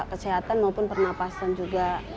kesehatan maupun pernapasan juga